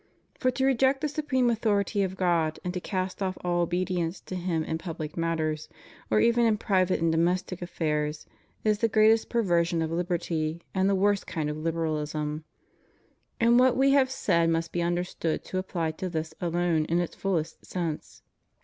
For, to reject the supreme authority of God, and to cast off all obedience to Him in public matters, or even in pri vate and domestic affairs, is the greatest perversion of liberty and the worst kind of Liberalism: and what We have said must be understood to apply to this alone in its fullest sense.